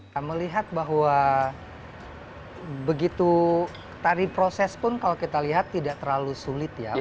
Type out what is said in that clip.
saya melihat bahwa begitu tari proses pun kalau kita lihat tidak terlalu sulit ya